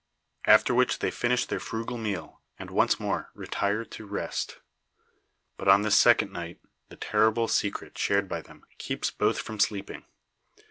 After which they finish their frugal meal, and once more retire to rest. But on this second night, the terrible secret shared by them, keeps both from sleeping.